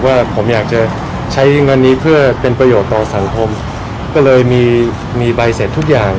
ว่าผมอยากจะใช้เงินนี้เพื่อเป็นประโยชน์ต่อสังคมก็เลยมีมีใบเสร็จทุกอย่าง